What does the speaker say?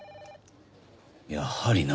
やはりな。